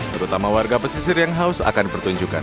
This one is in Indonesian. terutama warga pesisir yang haus akan pertunjukan